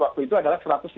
waktu itu adalah